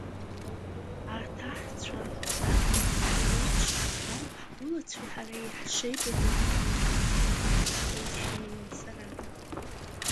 Арҭ аҳцәа, арбаӷьқуа реиԥш ауп ҳгулацәеи ҳареи ҳшеибадырфо, сынкахуцуа снеиуан сара.